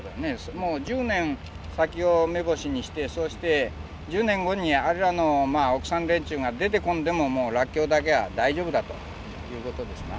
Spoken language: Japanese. もう１０年先を目星にしてそして１０年後にあれらの奥さん連中が出てこんでももうらっきょうだけは大丈夫だということですな。